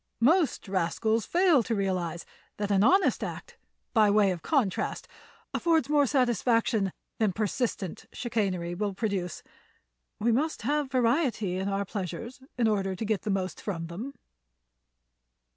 Most rascals fail to realize that an honest act, by way of contrast, affords more satisfaction than persistent chicanery will produce. We must have variety in our pleasures in order to get the most from them."